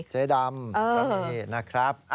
เจ๊ดำก็มีนะครับ